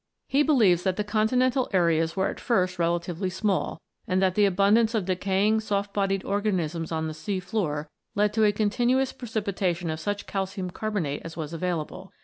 He believes that the continental n] THE LIMESTONES 19 areas were at first relatively small, and that the abundance of decaying soft bodied organisms on the sea floor led to a continuous precipitation of such calcium carbonate as was available.